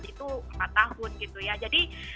itu empat tahun gitu ya jadi